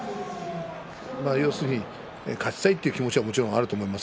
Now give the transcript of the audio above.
勝ちたいという気持ちはもちろんあると思います。